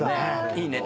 いいね。